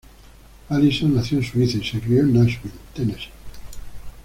Allison nació en Suiza y se crió en Nashville, Tennessee.